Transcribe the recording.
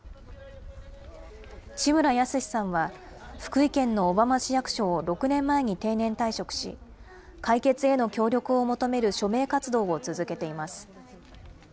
地村保志さんは、福井県の小浜市役所を６年前に定年退職し、解決への協力を求める署名活動を続けています。